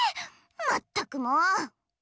まったくもう。